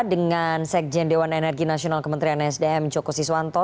dengan sekjen dewan energi nasional kementerian sdm joko siswanto